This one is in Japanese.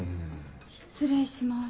失礼します。